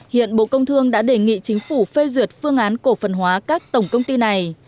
hiện bộ công thương đã đề nghị chính phủ phê duyệt phương án cổ phần hóa các tổng công ty này